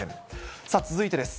さあ続いてです。